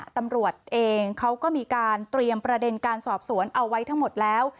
ตำรวจเองเตรียมประเด็นการสอบสวนเอาไว้ทั้งหมดแล้ว